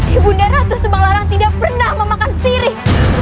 ibu nda ratu semanglarang tidak pernah memakan sirih